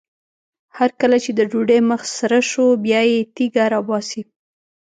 هر کله چې د ډوډۍ مخ سره شو بیا یې تیږه راباسي.